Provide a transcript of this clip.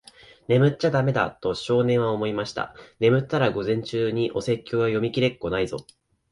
「眠っちゃだめだ。」と、少年は思いました。「眠ったら、午前中にお説教は読みきれっこないぞ。」